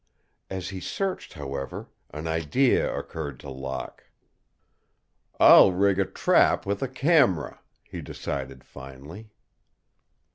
As he searched, however, an idea occurred to Locke. "I'll rig a trap with a camera," he decided, finally.